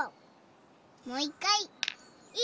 もういっかい。